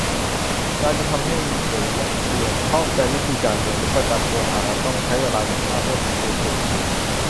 การจะทำให้เด็กนักเรียนเข้าใจวิธีการเรียนรู้ประจำตัว จะต้องใช้เวลาอย่างมากเมื่อมีครูเพียงคนเดียว